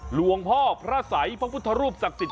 หลวงพ่อพระสัยพระพุทธรูปศักดิ์สิทธิ